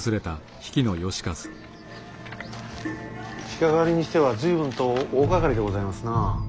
鹿狩りにしては随分と大がかりでございますな。